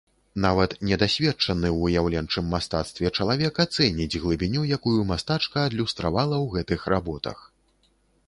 Нават недасведчаны ў выяўленчым мастацтве чалавек ацэніць глыбіню, якую мастачка адлюстравала ў гэтых работах.